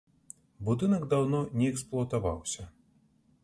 Будынак даўно не эксплуатаваўся.